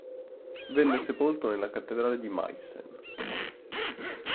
Venne sepolto nella cattedrale di Meißen.